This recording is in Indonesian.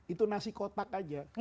itu nasi kotak aja